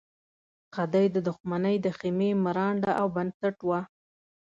خدۍ د دښمنۍ د خېمې مرانده او بنسټ وه.